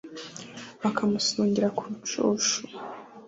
Bakamusongera ku Rucunshu